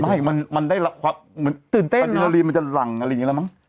ไม่มันได้ความเหมือนตื่นเต้นปฏิโลลีมันจะหลั่งอะไรอย่างนี้แล้วมั้ง